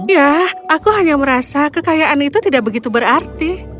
ya aku hanya merasa kekayaan itu tidak begitu berarti